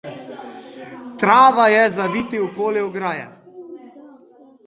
Trava je zaviti okoli ograje.